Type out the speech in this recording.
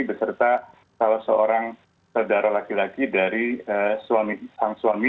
beserta salah seorang saudara laki laki dari sang suami